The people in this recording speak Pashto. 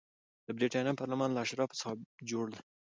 د برېټانیا پارلمان له اشرافو څخه جوړ و.